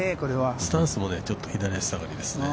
◆スタンスもちょっと左足下がりです。